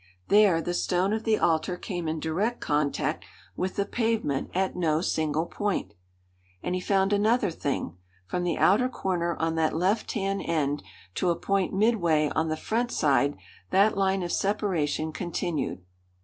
There the stone of the altar came in direct contact with the pavement at no single point! And he found another thing: from the outer corner on that left hand end to a point midway on the front side, that line of separation continued.